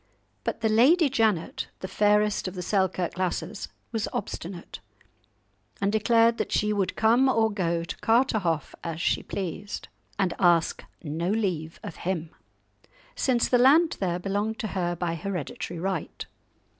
But the Lady Janet, the fairest of the Selkirk lasses, was obstinate, and declared that she would come or go to Carterhaugh, as she pleased, "and ask no leave of him," since the land there belonged to her by hereditary right.